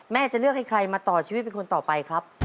จะเลือกให้ใครมาต่อชีวิตเป็นคนต่อไปครับ